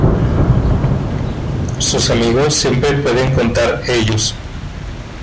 Sus amigos siempre pueden contar ellos.